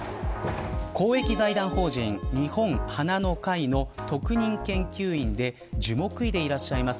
公益財団法人日本花の会の特任研究員で樹木医でいらっしゃいます